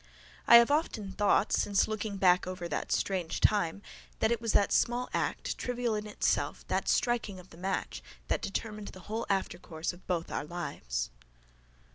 I have often thought since on looking back over that strange time that it was that small act, trivial in itself, that striking of that match, that determined the whole aftercourse of both our lives.